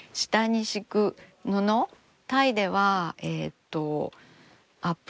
タイではえっとアップ